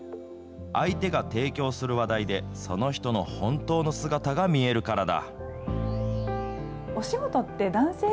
相手が提供する話題で、その人の本当の姿が見えるからだ。